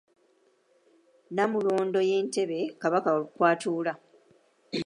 Nnamulondo ye ntebe Kabaka kw'atuula.